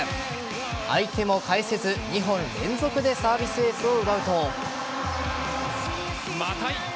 相手も返せず２本連続でサービスエースを奪うと。